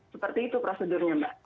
seperti itu prosedurnya mbak